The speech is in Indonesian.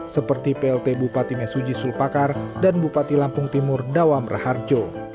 seperti plt bupati mesuji sulpakar dan bupati lampung timur dawam raharjo